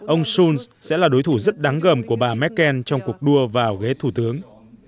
ông schulz sẽ là đối thủ rất đáng gầm của bà mccain trong cuộc đua vào ghế thủ tướng